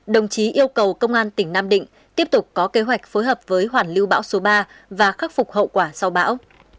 đồng chí yêu cầu công an tỉnh nam định tiếp tục có kế hoạch phối hợp với hoàn lưu bão số ba và khắc phục hậu quả sau bão